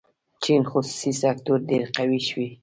چین خصوصي سکتور ډېر قوي شوی.